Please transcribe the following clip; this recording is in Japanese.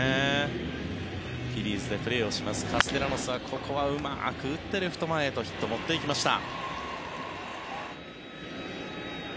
フィリーズでプレーしますカステラノスはここはうまく打ってレフト前へとヒットを持っていきました。